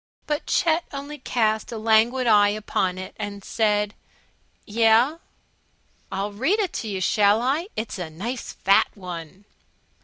But Chet only cast a languid eye upon it and said, "Yeh?" "I'll read it to you, shall I? It's a nice fat One."